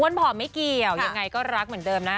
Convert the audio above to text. ผอมไม่เกี่ยวยังไงก็รักเหมือนเดิมนะ